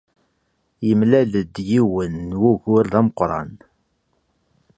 Yemlal-d yiwen n wugur d ameqran.